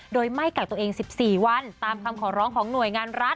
โดยไม่กักตัวเอง๑๔วันตามคำขอร้องของหน่วยงานรัฐ